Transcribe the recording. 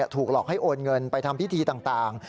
ถูกหลอกให้โอนเงินไปทำพิธีต่าง